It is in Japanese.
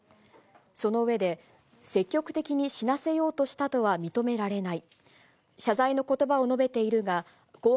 その上で、積極的に死なせようとしたとは認められない。